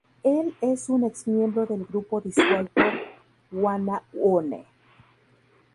Él es un ex-miembro del grupo disuelto Wanna One.